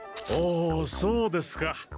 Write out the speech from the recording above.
おおそうですか！